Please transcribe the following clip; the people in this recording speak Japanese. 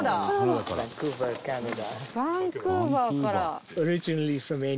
バンクーバーから。